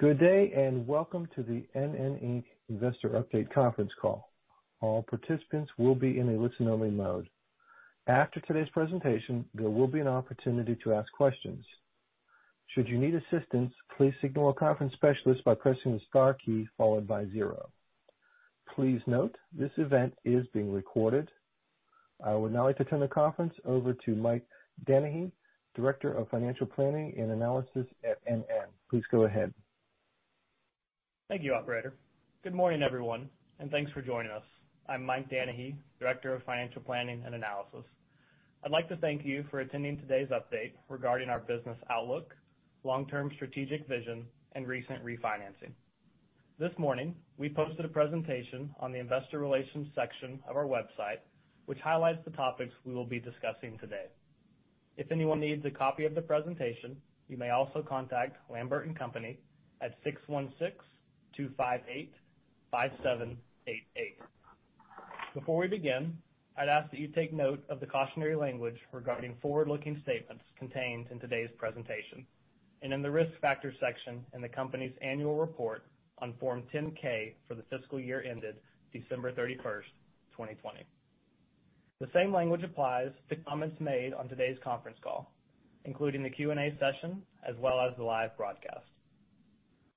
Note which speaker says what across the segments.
Speaker 1: Good day and welcome to the NN Inc. Investor Update conference call. All participants will be in a listen-only mode. After today's presentation, there will be an opportunity to ask questions. Should you need assistance, please signal a conference specialist by pressing the star key followed by zero. Please note this event is being recorded. I would now like to turn the conference over to Mike Danahy, Director of Financial Planning and Analysis at NN. Please go ahead.
Speaker 2: Thank you, Operator. Good morning, everyone, and thanks for joining us. I'm Mike Danahy, Director of Financial Planning and Analysis. I'd like to thank you for attending today's update regarding our business outlook, long-term strategic vision, and recent refinancing. This morning, we posted a presentation on the Investor Relations section of our website, which highlights the topics we will be discussing today. If anyone needs a copy of the presentation, you may also contact Lambert & Company at 616-258-5788. Before we begin, I'd ask that you take note of the cautionary language regarding forward-looking statements contained in today's presentation and in the risk factors section in the company's annual report on Form 10-K for the fiscal year ended December 31st, 2020. The same language applies to comments made on today's conference call, including the Q&A session as well as the live broadcast.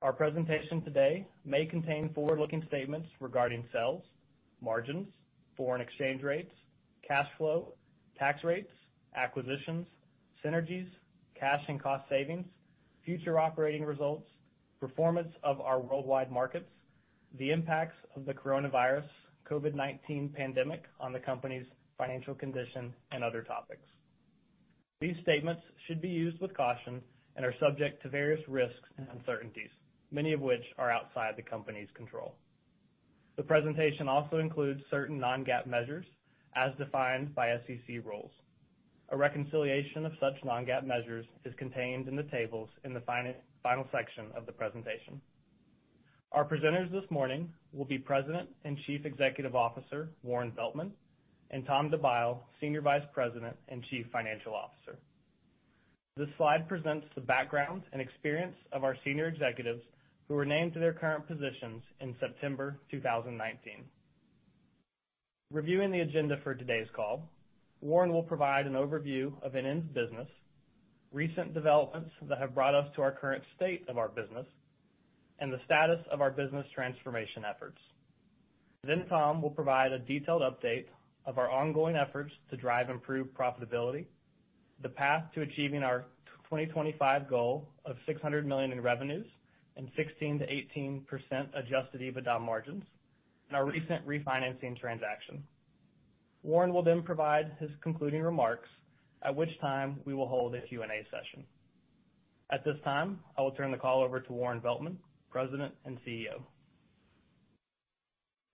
Speaker 2: Our presentation today may contain forward-looking statements regarding sales, margins, foreign exchange rates, cash flow, tax rates, acquisitions, synergies, cash and cost savings, future operating results, performance of our worldwide markets, the impacts of the coronavirus, COVID-19 pandemic on the company's financial condition, and other topics. These statements should be used with caution and are subject to various risks and uncertainties, many of which are outside the company's control. The presentation also includes certain non-GAAP measures as defined by SEC rules. A reconciliation of such non-GAAP measures is contained in the tables in the final section of the presentation. Our presenters this morning will be President and Chief Executive Officer Warren Veltman and Tom DeByle, Senior Vice President and Chief Financial Officer. This slide presents the background and experience of our senior executives who were named to their current positions in September 2019. Reviewing the agenda for today's call, Warren will provide an overview of NN's business, recent developments that have brought us to our current state of our business, and the status of our business transformation efforts. Tom will provide a detailed update of our ongoing efforts to drive improved profitability, the path to achieving our 2025 goal of $600 million in revenues and 16%-18% adjusted EBITDA margins, and our recent refinancing transaction. Warren will then provide his concluding remarks, at which time we will hold a Q&A session. At this time, I will turn the call over to Warren Veltman, President and CEO.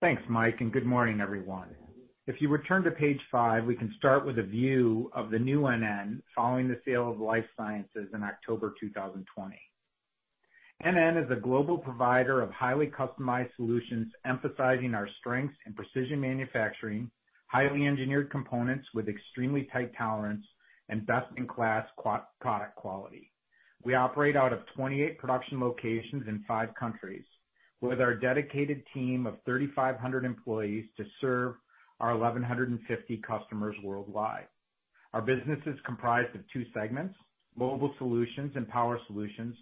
Speaker 3: Thanks, Mike, and good morning, everyone. If you return to page five, we can start with a view of the new NN following the sale of Life Sciences in October 2020. NN is a global provider of highly customized solutions emphasizing our strengths in precision manufacturing, highly engineered components with extremely tight tolerance, and best-in-class product quality. We operate out of 28 production locations in five countries with our dedicated team of 3,500 employees to serve our 1,150 customers worldwide. Our business is comprised of two segments: mobile solutions and power solutions,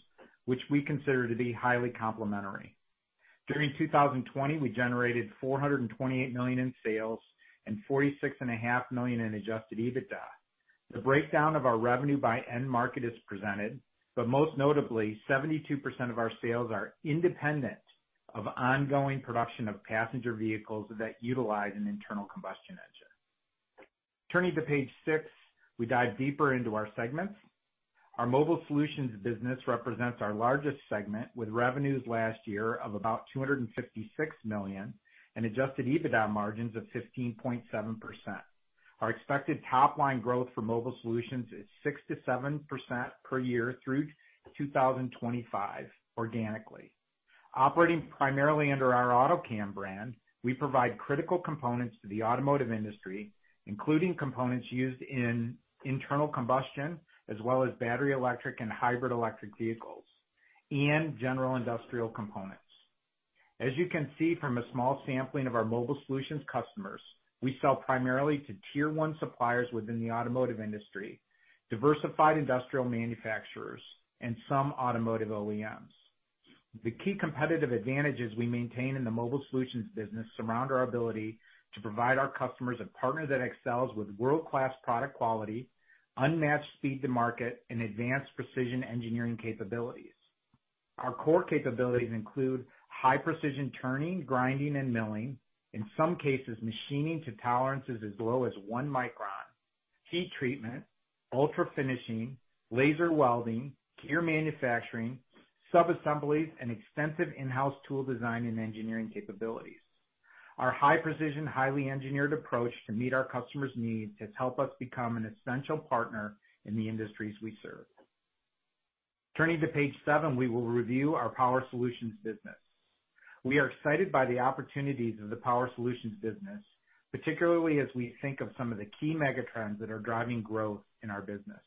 Speaker 3: which we consider to be highly complementary. During 2020, we generated $428 million in sales and $46.5 million in adjusted EBITDA. The breakdown of our revenue by end market is presented, but most notably, 72% of our sales are independent of ongoing production of passenger vehicles that utilize an internal combustion engine. Turning to page six, we dive deeper into our segments. Our mobile solutions business represents our largest segment with revenues last year of about $256 million and adjusted EBITDA margins of 15.7%. Our expected top-line growth for mobile solutions is 6%-7% per year through 2025 organically. Operating primarily under our Autocam brand, we provide critical components to the automotive industry, including components used in internal combustion as well as battery electric and hybrid electric vehicles, and general industrial components. As you can see from a small sampling of our mobile solutions customers, we sell primarily to tier one suppliers within the automotive industry, diversified industrial manufacturers, and some automotive OEMs. The key competitive advantages we maintain in the mobile solutions business surround our ability to provide our customers a partner that excels with world-class product quality, unmatched speed to market, and advanced precision engineering capabilities. Our core capabilities include high precision turning, grinding, and milling, in some cases machining to tolerances as low as one micron, heat treatment, ultra finishing, laser welding, gear manufacturing, sub-assemblies, and extensive in-house tool design and engineering capabilities. Our high precision, highly engineered approach to meet our customers' needs has helped us become an essential partner in the industries we serve. Turning to page seven, we will review our power solutions business. We are excited by the opportunities of the power solutions business, particularly as we think of some of the key megatrends that are driving growth in our business.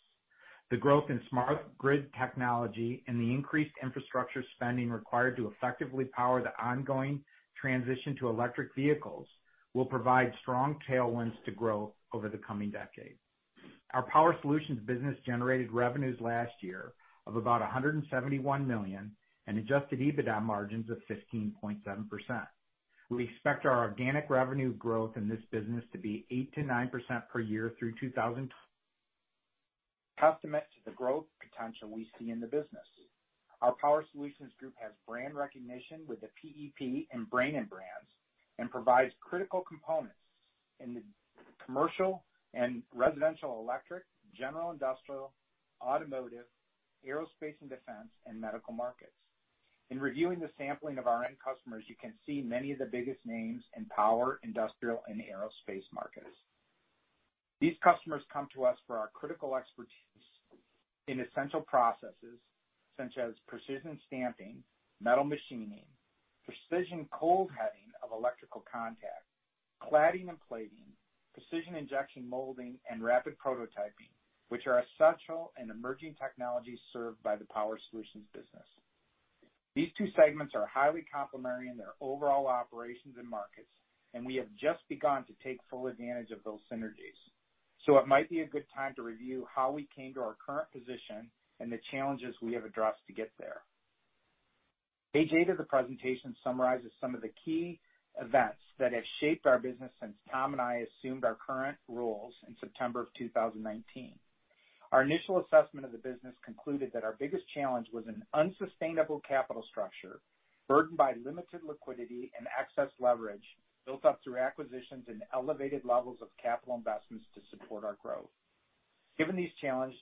Speaker 3: The growth in smart grid technology and the increased infrastructure spending required to effectively power the ongoing transition to electric vehicles will provide strong tailwinds to growth over the coming decade. Our power solutions business generated revenues last year of about $171 million and adjusted EBITDA margins of 15.7%. We expect our organic revenue growth in this business to be 8%-9% per year through 2020. Testament to the growth potential we see in the business. Our power solutions group has brand recognition with the PEP and Brainin brands and provides critical components in the commercial and residential electric, general industrial, automotive, aerospace, and defense, and medical markets. In reviewing the sampling of our end customers, you can see many of the biggest names in power, industrial, and aerospace markets. These customers come to us for our critical expertise in essential processes such as precision stamping, metal machining, precision cold heading of electrical contact, cladding and plating, precision injection molding, and rapid prototyping, which are essential and emerging technologies served by the power solutions business. These two segments are highly complementary in their overall operations and markets, and we have just begun to take full advantage of those synergies. It might be a good time to review how we came to our current position and the challenges we have addressed to get there. Page eight of the presentation summarizes some of the key events that have shaped our business since Tom and I assumed our current roles in September of 2019. Our initial assessment of the business concluded that our biggest challenge was an unsustainable capital structure burdened by limited liquidity and excess leverage built up through acquisitions and elevated levels of capital investments to support our growth. Given these challenges,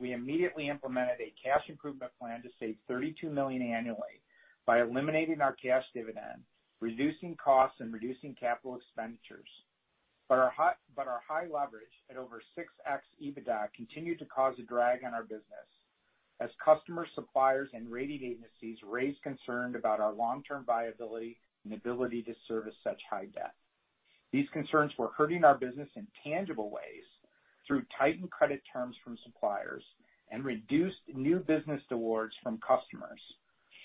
Speaker 3: we immediately implemented a cash improvement plan to save $32 million annually by eliminating our cash dividend, reducing costs, and reducing capital expenditures. Our high leverage at over 6x EBITDA continued to cause a drag on our business as customers, suppliers, and rating agencies raised concerns about our long-term viability and ability to service such high debt. These concerns were hurting our business in tangible ways through tightened credit terms from suppliers and reduced new business awards from customers,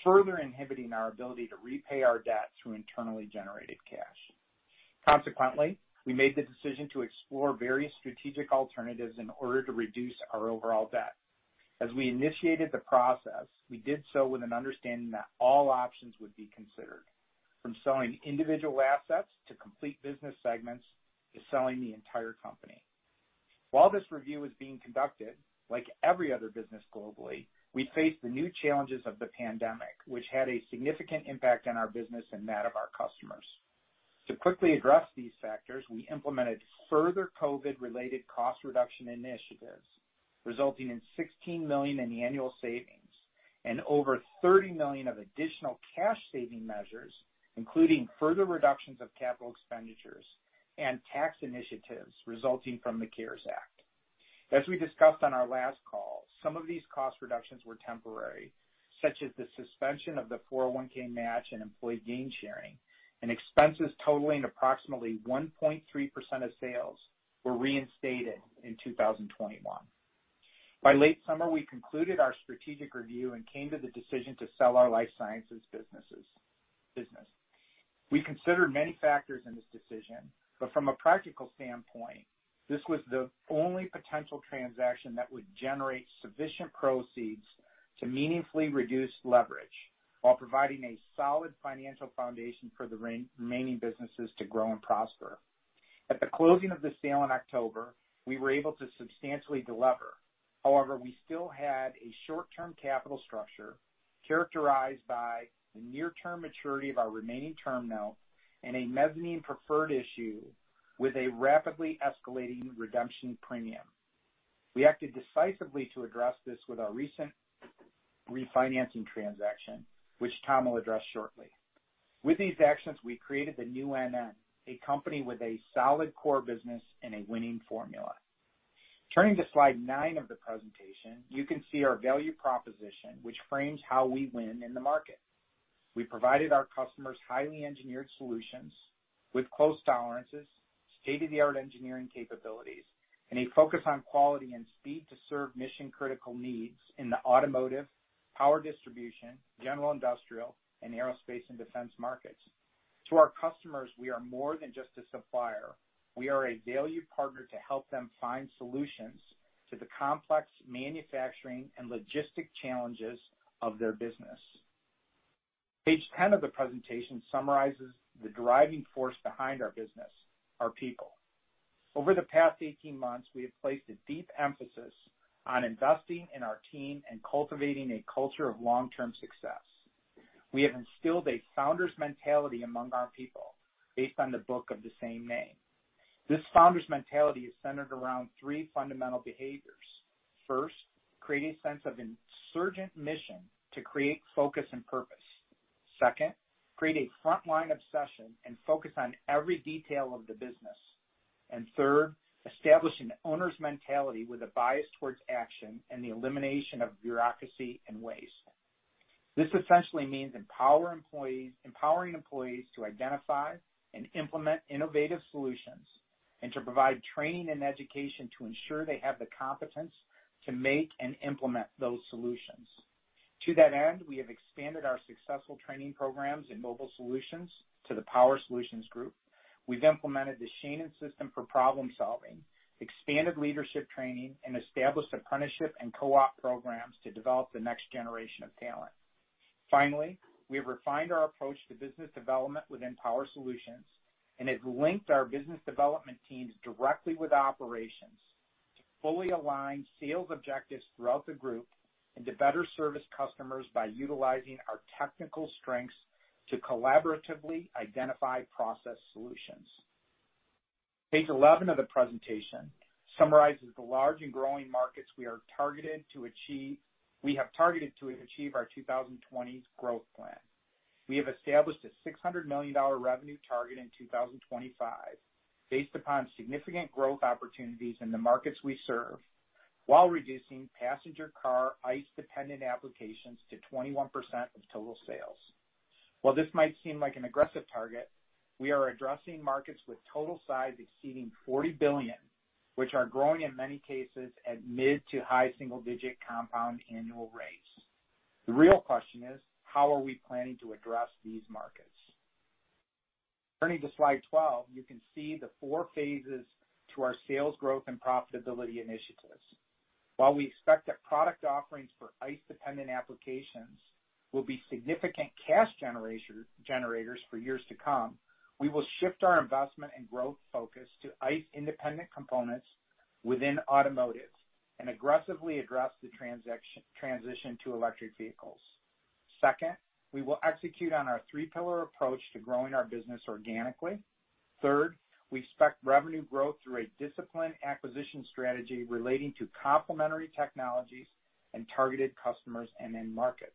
Speaker 3: further inhibiting our ability to repay our debt through internally generated cash. Consequently, we made the decision to explore various strategic alternatives in order to reduce our overall debt. As we initiated the process, we did so with an understanding that all options would be considered, from selling individual assets to complete business segments to selling the entire company. While this review was being conducted, like every other business globally, we faced the new challenges of the pandemic, which had a significant impact on our business and that of our customers. To quickly address these factors, we implemented further COVID-related cost reduction initiatives, resulting in $16 million in annual savings and over $30 million of additional cash saving measures, including further reductions of capital expenditures and tax initiatives resulting from the CARES Act. As we discussed on our last call, some of these cost reductions were temporary, such as the suspension of the 401(k) match and employee gain sharing, and expenses totaling approximately 1.3% of sales were reinstated in 2021. By late summer, we concluded our strategic review and came to the decision to sell our Life Sciences businesses. We considered many factors in this decision, but from a practical standpoint, this was the only potential transaction that would generate sufficient proceeds to meaningfully reduce leverage while providing a solid financial foundation for the remaining businesses to grow and prosper. At the closing of the sale in October, we were able to substantially deliver. However, we still had a short-term capital structure characterized by the near-term maturity of our remaining term note and a mezzanine preferred issue with a rapidly escalating redemption premium. We acted decisively to address this with our recent refinancing transaction, which Tom will address shortly. With these actions, we created the new NN, a company with a solid core business and a winning formula. Turning to slide nine of the presentation, you can see our value proposition, which frames how we win in the market. We provided our customers highly engineered solutions with close tolerances, state-of-the-art engineering capabilities, and a focus on quality and speed to serve mission-critical needs in the automotive, power distribution, general industrial, and aerospace and defense markets. To our customers, we are more than just a supplier. We are a valued partner to help them find solutions to the complex manufacturing and logistic challenges of their business. Page ten of the presentation summarizes the driving force behind our business, our people. Over the past 18 months, we have placed a deep emphasis on investing in our team and cultivating a culture of long-term success. We have instilled a founder's mentality among our people based on the book of the same name. This founder's mentality is centered around three fundamental behaviors. First, create a sense of insurgent mission to create focus and purpose. Second, create a frontline obsession and focus on every detail of the business. Third, establish an owner's mentality with a bias towards action and the elimination of bureaucracy and waste. This essentially means empowering employees to identify and implement innovative solutions and to provide training and education to ensure they have the competence to make and implement those solutions. To that end, we have expanded our successful training programs in mobile solutions to the power solutions group. We've implemented the Shainin System for problem solving, expanded leadership training, and established apprenticeship and co-op programs to develop the next generation of talent. Finally, we have refined our approach to business development within power solutions and have linked our business development teams directly with operations to fully align sales objectives throughout the group and to better service customers by utilizing our technical strengths to collaboratively identify process solutions. Page 11 of the presentation summarizes the large and growing markets we have targeted to achieve our 2020 growth plan. We have established a $600 million revenue target in 2025 based upon significant growth opportunities in the markets we serve while reducing passenger car ICE-dependent applications to 21% of total sales. While this might seem like an aggressive target, we are addressing markets with total size exceeding $40 billion, which are growing in many cases at mid to high single-digit compound annual rates. The real question is, how are we planning to address these markets? Turning to slide 12, you can see the four phases to our sales growth and profitability initiatives. While we expect that product offerings for ICE-dependent applications will be significant cash generators for years to come, we will shift our investment and growth focus to ICE-independent components within automotive and aggressively address the transition to electric vehicles. Second, we will execute on our three-pillar approach to growing our business organically. Third, we expect revenue growth through a disciplined acquisition strategy relating to complementary technologies and targeted customers and end markets.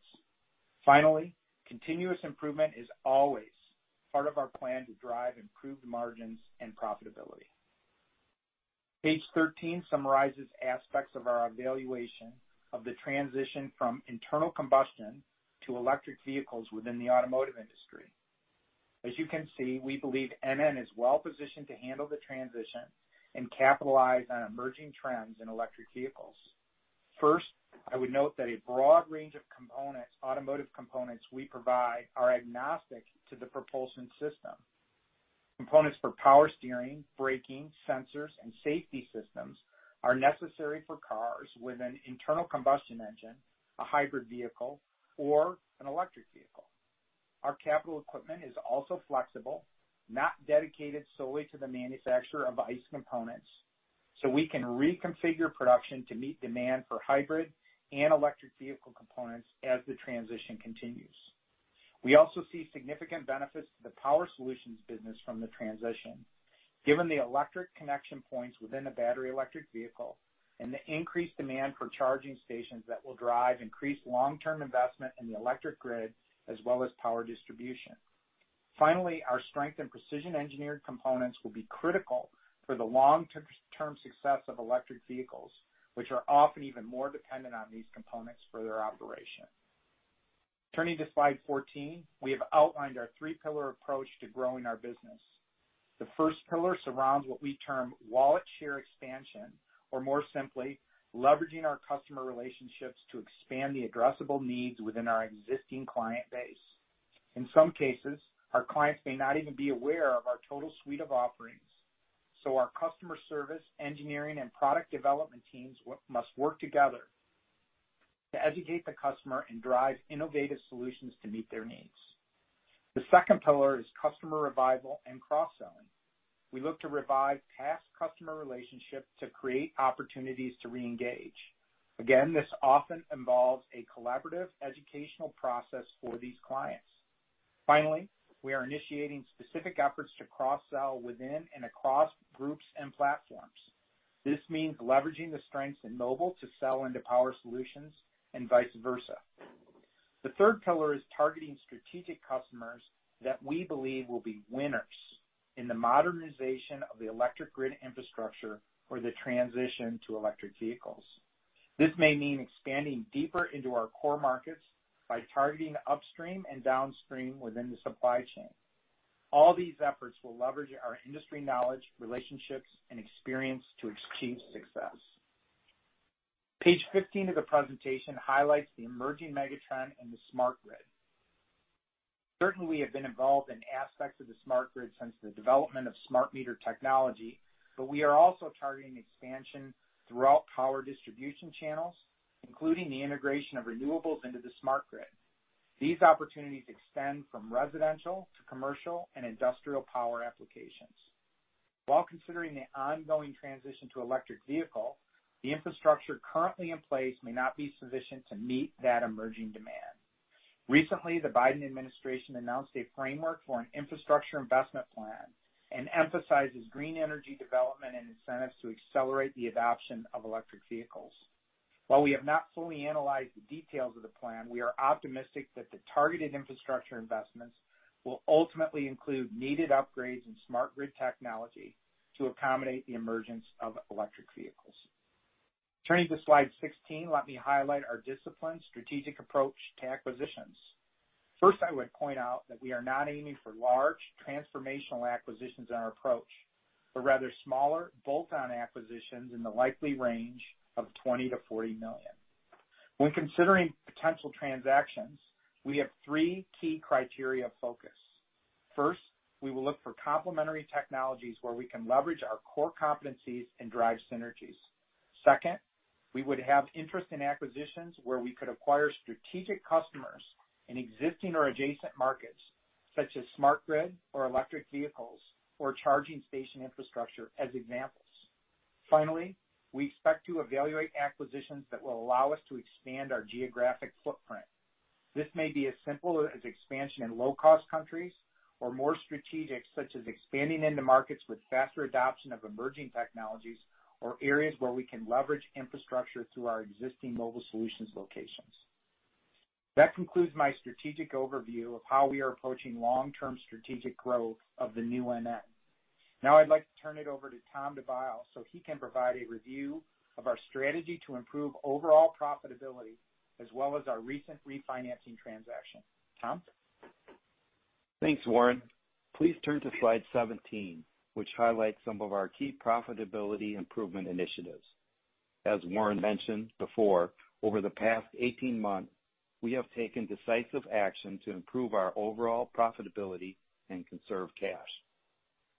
Speaker 3: Finally, continuous improvement is always part of our plan to drive improved margins and profitability. Page 13 summarizes aspects of our evaluation of the transition from internal combustion to electric vehicles within the automotive industry. As you can see, we believe NN is well positioned to handle the transition and capitalize on emerging trends in electric vehicles. First, I would note that a broad range of automotive components we provide are agnostic to the propulsion system. Components for power steering, braking, sensors, and safety systems are necessary for cars with an internal combustion engine, a hybrid vehicle, or an electric vehicle. Our capital equipment is also flexible, not dedicated solely to the manufacture of ICE components, so we can reconfigure production to meet demand for hybrid and electric vehicle components as the transition continues. We also see significant benefits to the power solutions business from the transition, given the electric connection points within a battery electric vehicle and the increased demand for charging stations that will drive increased long-term investment in the electric grid as well as power distribution. Finally, our strength and precision engineered components will be critical for the long-term success of electric vehicles, which are often even more dependent on these components for their operation. Turning to slide 14, we have outlined our three-pillar approach to growing our business. The first pillar surrounds what we term wallet share expansion, or more simply, leveraging our customer relationships to expand the addressable needs within our existing client base. In some cases, our clients may not even be aware of our total suite of offerings, so our customer service, engineering, and product development teams must work together to educate the customer and drive innovative solutions to meet their needs. The second pillar is customer revival and cross-selling. We look to revive past customer relationships to create opportunities to reengage. Again, this often involves a collaborative educational process for these clients. Finally, we are initiating specific efforts to cross-sell within and across groups and platforms. This means leveraging the strengths in mobile to sell into power solutions and vice versa. The third pillar is targeting strategic customers that we believe will be winners in the modernization of the electric grid infrastructure or the transition to electric vehicles. This may mean expanding deeper into our core markets by targeting upstream and downstream within the supply chain. All these efforts will leverage our industry knowledge, relationships, and experience to achieve success. Page 15 of the presentation highlights the emerging megatrend in the smart grid. Certainly, we have been involved in aspects of the smart grid since the development of smart meter technology, but we are also targeting expansion throughout power distribution channels, including the integration of renewables into the smart grid. These opportunities extend from residential to commercial and industrial power applications. While considering the ongoing transition to electric vehicles, the infrastructure currently in place may not be sufficient to meet that emerging demand. Recently, the Biden administration announced a framework for an infrastructure investment plan and emphasizes green energy development and incentives to accelerate the adoption of electric vehicles. While we have not fully analyzed the details of the plan, we are optimistic that the targeted infrastructure investments will ultimately include needed upgrades in smart grid technology to accommodate the emergence of electric vehicles. Turning to slide 16, let me highlight our disciplined strategic approach to acquisitions. First, I would point out that we are not aiming for large transformational acquisitions in our approach, but rather smaller bolt-on acquisitions in the likely range of $20 million-$40 million. When considering potential transactions, we have three key criteria of focus. First, we will look for complementary technologies where we can leverage our core competencies and drive synergies. Second, we would have interest in acquisitions where we could acquire strategic customers in existing or adjacent markets, such as smart grid or electric vehicles or charging station infrastructure as examples. Finally, we expect to evaluate acquisitions that will allow us to expand our geographic footprint. This may be as simple as expansion in low-cost countries or more strategic, such as expanding into markets with faster adoption of emerging technologies or areas where we can leverage infrastructure through our existing mobile solutions locations. That concludes my strategic overview of how we are approaching long-term strategic growth of the new NN. Now, I'd like to turn it over to Tom DeByle so he can provide a review of our strategy to improve overall profitability as well as our recent refinancing transaction. Tom?
Speaker 4: Thanks, Warren. Please turn to slide 17, which highlights some of our key profitability improvement initiatives. As Warren mentioned before, over the past 18 months, we have taken decisive action to improve our overall profitability and conserve cash.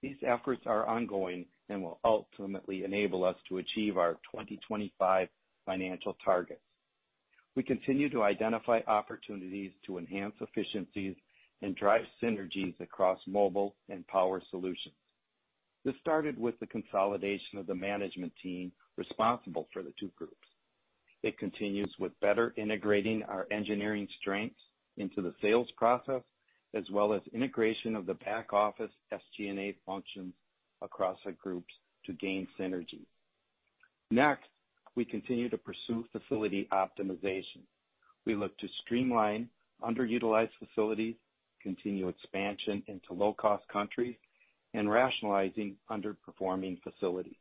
Speaker 4: These efforts are ongoing and will ultimately enable us to achieve our 2025 financial targets. We continue to identify opportunities to enhance efficiencies and drive synergies across mobile and power solutions. This started with the consolidation of the management team responsible for the two groups. It continues with better integrating our engineering strengths into the sales process as well as integration of the back office SG&A functions across the groups to gain synergy. Next, we continue to pursue facility optimization. We look to streamline underutilized facilities, continue expansion into low-cost countries, and rationalize underperforming facilities.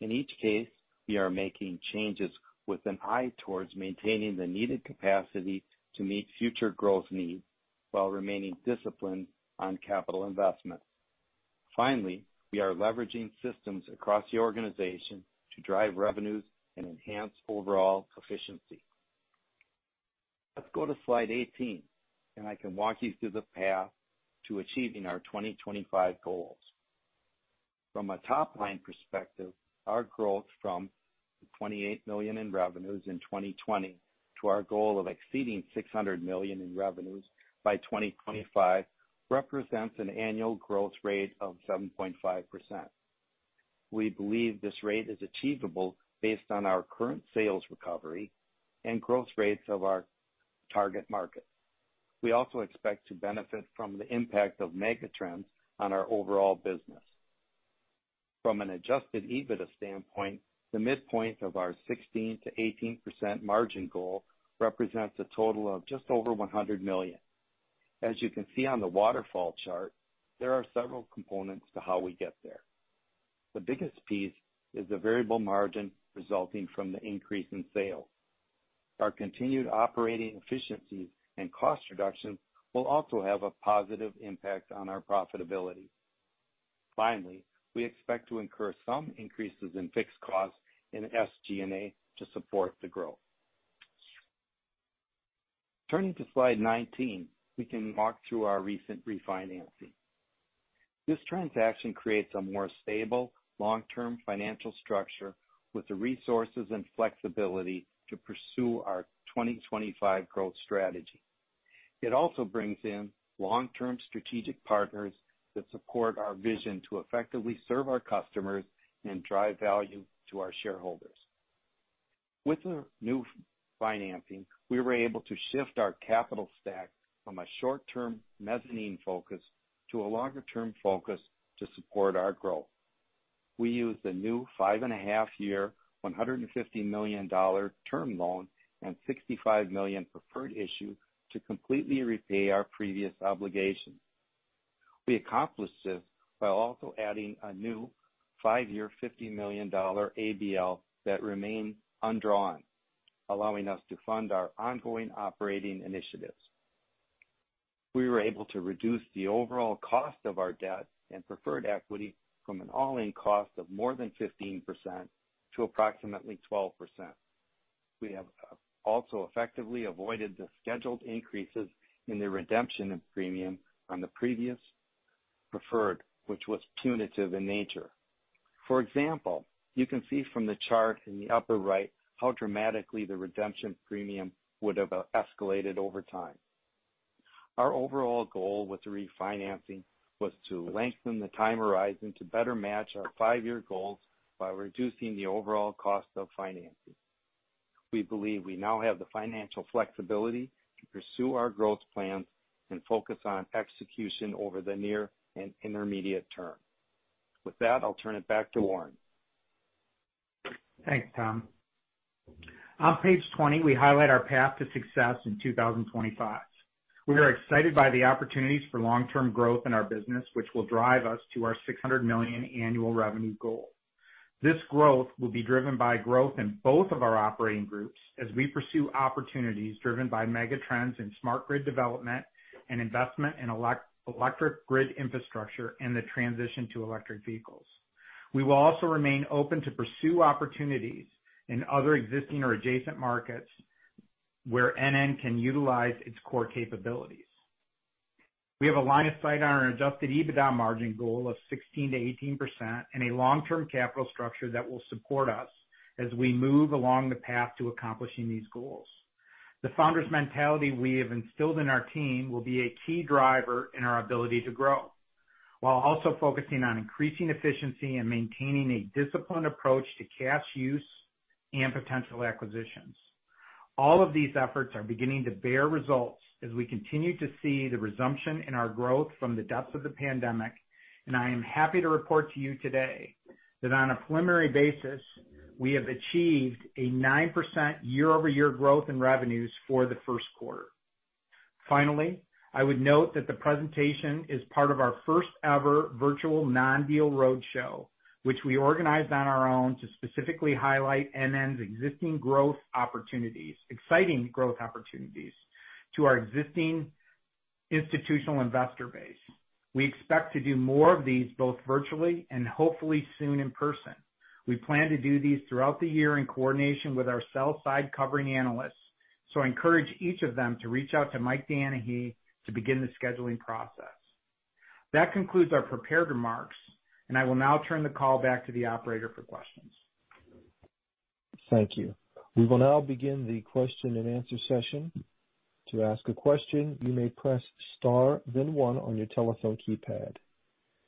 Speaker 4: In each case, we are making changes with an eye towards maintaining the needed capacity to meet future growth needs while remaining disciplined on capital investments. Finally, we are leveraging systems across the organization to drive revenues and enhance overall efficiency. Let's go to slide 18, and I can walk you through the path to achieving our 2025 goals. From a top-line perspective, our growth from $28 million in revenues in 2020 to our goal of exceeding $600 million in revenues by 2025 represents an annual growth rate of 7.5%. We believe this rate is achievable based on our current sales recovery and growth rates of our target market. We also expect to benefit from the impact of megatrends on our overall business. From an adjusted EBITDA standpoint, the midpoint of our 16%-18% margin goal represents a total of just over $100 million. As you can see on the waterfall chart, there are several components to how we get there. The biggest piece is the variable margin resulting from the increase in sales. Our continued operating efficiencies and cost reductions will also have a positive impact on our profitability. Finally, we expect to incur some increases in fixed costs in SG&A to support the growth. Turning to slide 19, we can walk through our recent refinancing. This transaction creates a more stable long-term financial structure with the resources and flexibility to pursue our 2025 growth strategy. It also brings in long-term strategic partners that support our vision to effectively serve our customers and drive value to our shareholders. With the new financing, we were able to shift our capital stack from a short-term mezzanine focus to a longer-term focus to support our growth. We used a new five-and-a-half-year, $150 million term loan and $65 million preferred issue to completely repay our previous obligations. We accomplished this by also adding a new five-year, $50 million ABL that remained undrawn, allowing us to fund our ongoing operating initiatives. We were able to reduce the overall cost of our debt and preferred equity from an all-in cost of more than 15% to approximately 12%. We have also effectively avoided the scheduled increases in the redemption premium on the previous preferred, which was punitive in nature. For example, you can see from the chart in the upper right how dramatically the redemption premium would have escalated over time. Our overall goal with the refinancing was to lengthen the time horizon to better match our five-year goals by reducing the overall cost of financing. We believe we now have the financial flexibility to pursue our growth plans and focus on execution over the near and intermediate term. With that, I'll turn it back to Warren.
Speaker 3: Thanks, Tom. On page 20, we highlight our path to success in 2025. We are excited by the opportunities for long-term growth in our business, which will drive us to our $600 million annual revenue goal. This growth will be driven by growth in both of our operating groups as we pursue opportunities driven by megatrends in smart grid development and investment in electric grid infrastructure and the transition to electric vehicles. We will also remain open to pursue opportunities in other existing or adjacent markets where NN can utilize its core capabilities. We have aligned a sight on our adjusted EBITDA margin goal of 16%-18% and a long-term capital structure that will support us as we move along the path to accomplishing these goals. The founder's mentality we have instilled in our team will be a key driver in our ability to grow, while also focusing on increasing efficiency and maintaining a disciplined approach to cash use and potential acquisitions. All of these efforts are beginning to bear results as we continue to see the resumption in our growth from the depths of the pandemic, and I am happy to report to you today that on a preliminary basis, we have achieved a 9% year-over-year growth in revenues for the first quarter. Finally, I would note that the presentation is part of our first-ever virtual non-deal roadshow, which we organized on our own to specifically highlight NN's existing growth opportunities, exciting growth opportunities to our existing institutional investor base. We expect to do more of these both virtually and hopefully soon in person. We plan to do these throughout the year in coordination with our sell-side covering analysts, so I encourage each of them to reach out to Mike Danahy to begin the scheduling process. That concludes our prepared remarks, and I will now turn the call back to the operator for questions.
Speaker 1: Thank you. We will now begin the question and answer session. To ask a question, you may press star, then one on your telephone keypad.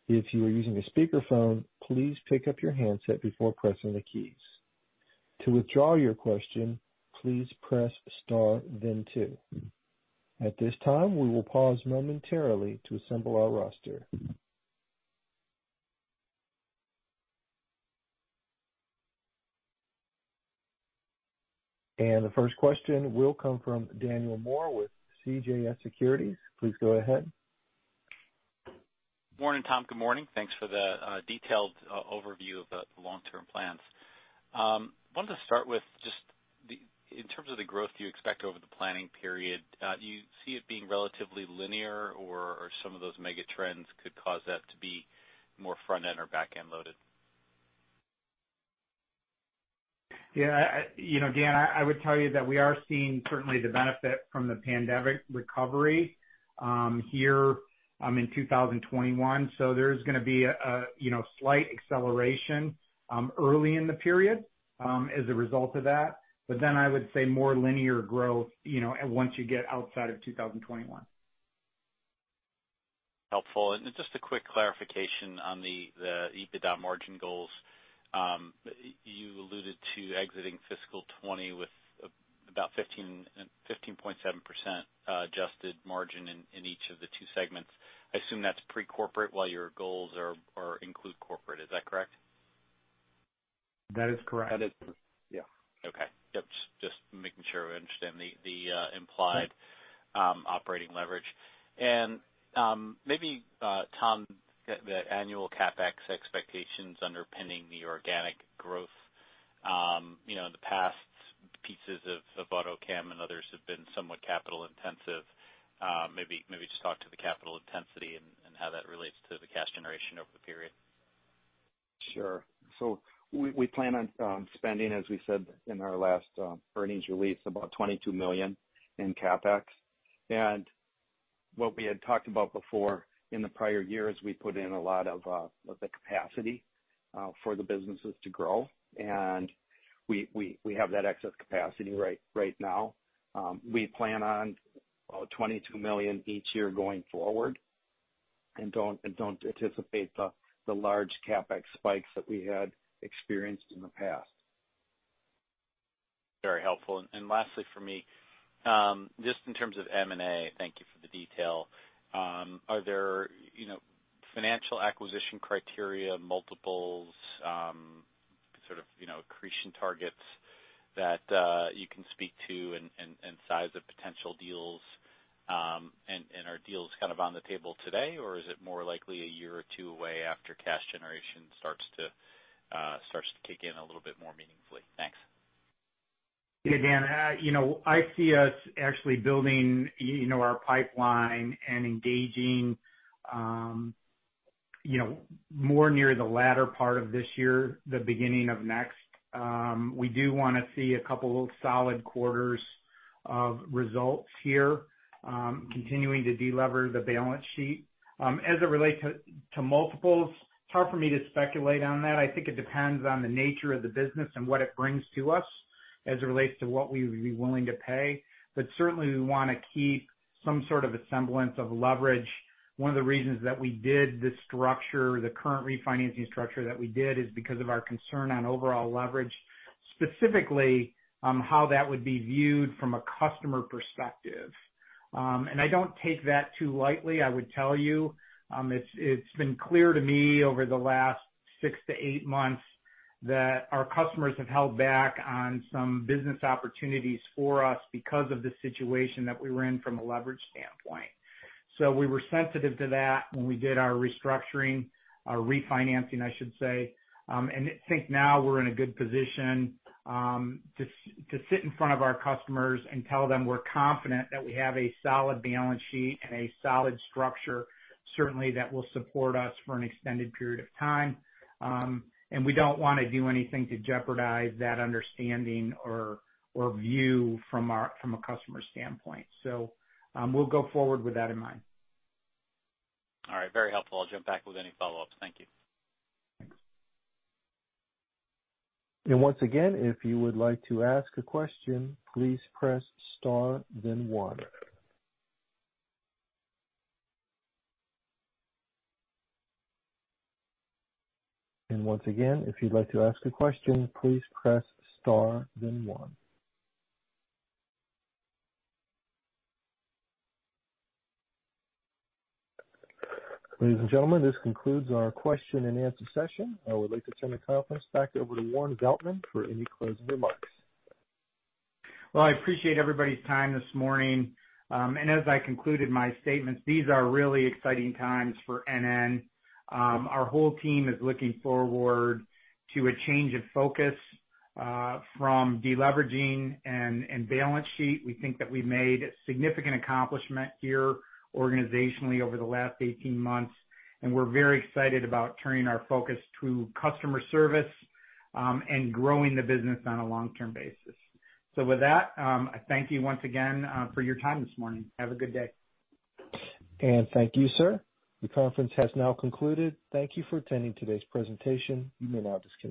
Speaker 1: If you are using a speakerphone, please pick up your handset before pressing the keys. To withdraw your question, please press star, then two. At this time, we will pause momentarily to assemble our roster. The first question will come from Daniel Moore with CJS Securities. Please go ahead.
Speaker 5: Morning, Tom. Good morning. Thanks for the detailed overview of the long-term plans. I wanted to start with just in terms of the growth you expect over the planning period, do you see it being relatively linear, or some of those megatrends could cause that to be more front-end or back-end loaded? Yeah. Dan, I would tell you that we are seeing certainly the benefit from the pandemic recovery here in 2021. There is going to be a slight acceleration early in the period as a result of that, but then I would say more linear growth once you get outside of 2021. Helpful. Just a quick clarification on the EBITDA margin goals. You alluded to exiting fiscal 2020 with about 15.7% adjusted margin in each of the two segments. I assume that is pre-corporate while your goals include corporate. Is that correct?
Speaker 4: That is correct. Yeah.
Speaker 5: Okay. Yep. Just making sure we understand the implied operating leverage. Maybe, Tom, the annual CapEx expectations underpinning the organic growth. In the past, pieces of Autocam and others have been somewhat capital-intensive. Maybe just talk to the capital intensity and how that relates to the cash generation over the period.
Speaker 4: Sure. We plan on spending, as we said in our last earnings release, about $22 million in CapEx. What we had talked about before in the prior year is we put in a lot of the capacity for the businesses to grow, and we have that excess capacity right now. We plan on about $22 million each year going forward and do not anticipate the large CapEx spikes that we had experienced in the past.
Speaker 5: Very helpful. Lastly for me, just in terms of M&A, thank you for the detail. Are there financial acquisition criteria, multiples, sort of accretion targets that you can speak to and size of potential deals? Are deals kind of on the table today, or is it more likely a year or two away after cash generation starts to kick in a little bit more meaningfully? Thanks.
Speaker 3: Yeah, Dan. I see us actually building our pipeline and engaging more near the latter part of this year, the beginning of next. We do want to see a couple of solid quarters of results here, continuing to deliver the balance sheet. As it relates to multiples, it's hard for me to speculate on that. I think it depends on the nature of the business and what it brings to us as it relates to what we would be willing to pay. Certainly, we want to keep some sort of a semblance of leverage. One of the reasons that we did the structure, the current refinancing structure that we did, is because of our concern on overall leverage, specifically how that would be viewed from a customer perspective. I don't take that too lightly, I would tell you. It's been clear to me over the last six to eight months that our customers have held back on some business opportunities for us because of the situation that we were in from a leverage standpoint. We were sensitive to that when we did our restructuring, our refinancing, I should say. I think now we're in a good position to sit in front of our customers and tell them we're confident that we have a solid balance sheet and a solid structure, certainly that will support us for an extended period of time. We do not want to do anything to jeopardize that understanding or view from a customer standpoint. We will go forward with that in mind.
Speaker 5: All right. Very helpful. I'll jump back with any follow-ups. Thank you.
Speaker 1: Thanks. Once again, if you would like to ask a question, please press star, then one. Once again, if you'd like to ask a question, please press star, then one. Ladies and gentlemen, this concludes our question and answer session. I would like to turn the conference back over to Warren Veltman for any closing remarks.
Speaker 3: I appreciate everybody's time this morning. As I concluded my statements, these are really exciting times for NN. Our whole team is looking forward to a change of focus from deleveraging and balance sheet. We think that we've made a significant accomplishment here organizationally over the last 18 months, and we're very excited about turning our focus to customer service and growing the business on a long-term basis. With that, I thank you once again for your time this morning. Have a good day.
Speaker 1: Thank you, sir. The conference has now concluded. Thank you for attending today's presentation. You may now disconnect.